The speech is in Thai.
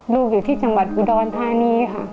อยู่ที่จังหวัดอุดรธานีค่ะ